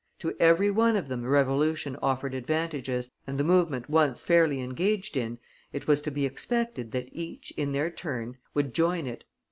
To every one of them the Revolution offered advantages, and the movement once fairly engaged in, it was to be expected that each, in their turn, would join it.